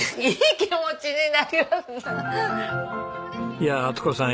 いやあ充子さん